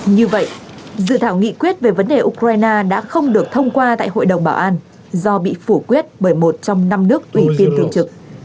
như vậy dự thảo nghị quyết về vấn đề ukraine đã không được thông qua tại hội đồng bảo an do bị phủ quyết bởi một trong năm nước ủy viên thường trực